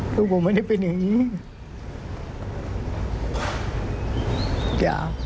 ลูกผมไม่ได้เป็นอย่างนี้